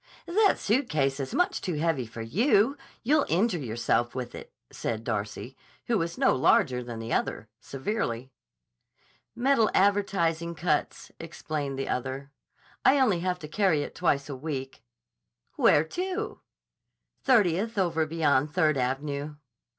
"That suitcase is much too heavy for you. You'll injure yourself with it," said Darcy, who was no larger than the other, severely. "Metal advertising cuts," explained the other. "I only have to carry it twice a week." "Where to?" "Thirtieth over beyond Third Av'nyeh."